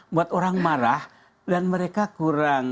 buat orang marah dan mereka kurang